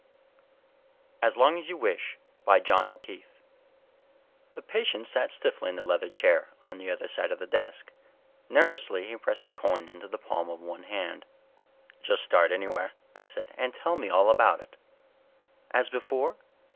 _ By JOHN O'KEEFE Illustrated by van Dongen The patient sat stiffly in the leather chair on the other side of the desk. Nervously he pressed a coin into the palm of one hand. "Just start anywhere," I said, "and tell me all about it." "As before?"